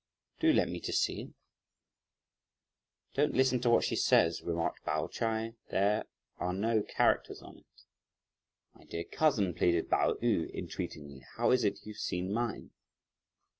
do let me too see it." "Don't listen to what she says," remarked Pao Ch'ai, "there are no characters on it." "My dear cousin," pleaded Pao yü entreatingly, "how is it you've seen mine?"